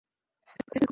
আমি এদের খুব পছন্দ করি।